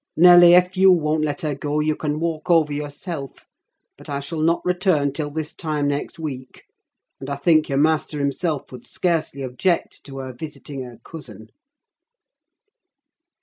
Nelly, if you won't let her go, you can walk over yourself. But I shall not return till this time next week; and I think your master himself would scarcely object to her visiting her cousin."